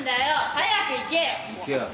早く行けよ！